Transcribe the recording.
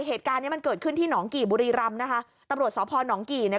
เหตุการณ์เนี้ยมันเกิดขึ้นที่หนองกี่บุรีรำนะคะตำรวจสพนกี่เนี่ย